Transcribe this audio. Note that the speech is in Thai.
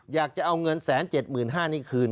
อยากจะเอาเงิน๑๗๕๐๐นี่คืน